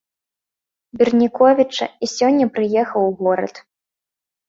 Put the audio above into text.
Берніковіча, і сёння прыехаў у горад.